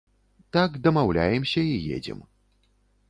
Так дамаўляемся і едзем.